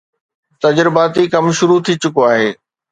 تجرباتي ڪم شروع ٿي چڪو آهي